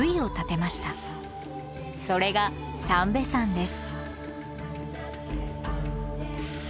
それが三瓶山です